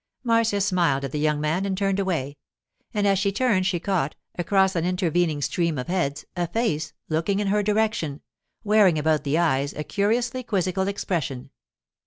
Marcia smiled at the young man and turned away; and as she turned she caught, across an intervening stream of heads, a face, looking in her direction, wearing about the eyes a curiously quizzical expression.